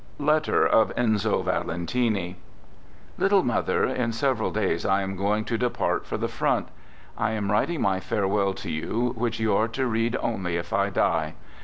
(Letter of Enzo Valentim) Little mother, in several days I am going to de part for the front. I am writing my farewell to you, which you are to read only if I die.